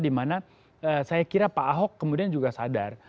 di mana saya kira pak ahok kemudian juga sadar